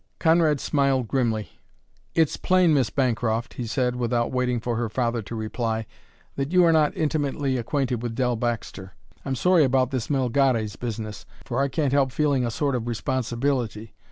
Conrad smiled grimly. "It's plain, Miss Bancroft," he said, without waiting for her father to reply, "that you are not intimately acquainted with Dell Baxter. I'm sorry about this Melgares business, for I can't help feeling a sort of responsibility.